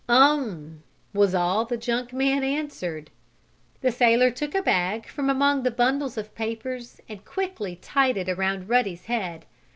"Um!" was all the junk man answered. The sailor took a bag from among the bundles of papers, and quickly tied it around Ruddy's head.